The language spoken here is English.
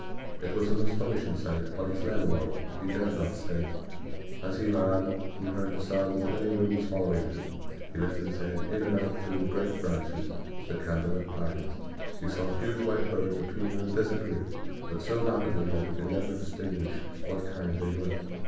It was an astonishing sight; but he fled along; he dared not stay. As he ran he heard the sound of many wings following him. He lifted his head; in and out through the great branches of the candle lit pines he saw huge white birds appear and disappear, but so rapidly that he could never distinguish what kind they were.